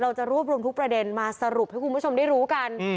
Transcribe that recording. เราจะรวบรวมทุกประเด็นมาสรุปให้คุณผู้ชมได้รู้กัน